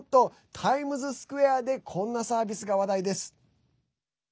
タイムズスクエアでこんなサービスが話題です。